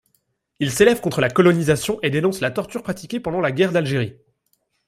Il s'élève contre la colonisation et dénonce la torture pratiquée pendant la guerre d'Algérie.